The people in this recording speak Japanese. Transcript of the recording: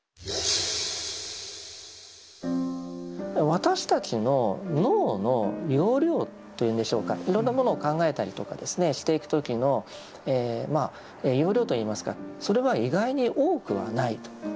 私たちの脳の容量というんでしょうかいろんなものを考えたりとかですねしていく時の容量といいますかそれは意外に多くはないと。